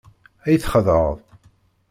Ad yi-txedεeḍ.